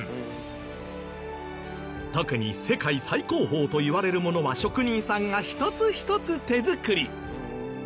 特に世界最高峰といわれるものは職人さんが一つ一つ手作り。